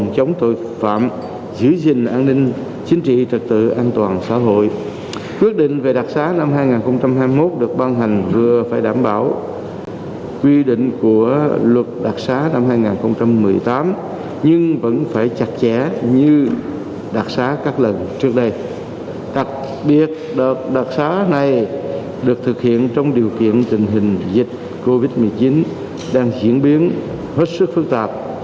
chống người thèm công vụ vẫn diễn biến phức tạp